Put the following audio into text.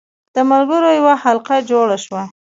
د ملګرو یوه حلقه جوړه شوه.